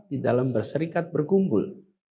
di dalam berserikat berkumpul